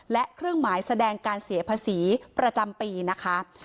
และเครื่องหมายแสดงการเสียภาษีประจำปีนะคะ